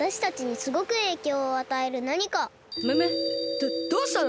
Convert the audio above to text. どどうしたの？